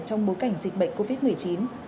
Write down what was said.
trong bối cảnh dịch bệnh covid một mươi chín